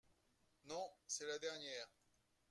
Non, c’est la dernière.